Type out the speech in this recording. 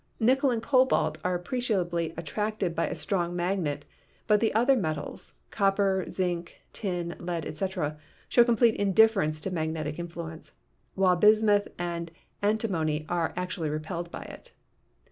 Nickel and cobalt are appreciably attracted by a strong magnet, but the other metals, copper, zinc, tin, lead, etc., show complete indifference to magnetic influence, while bismuth and antimony are actually repelled by it.